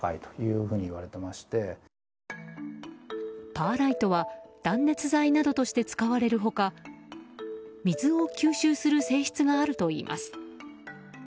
パーライトは断熱材などとして使われる他水を吸収する性質があるといいます。